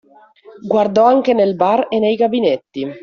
Guardò anche nel bar e nei gabinetti.